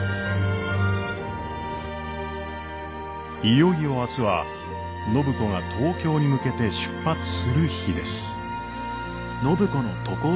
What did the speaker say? いよいよ明日は暢子が東京に向けて出発する日です。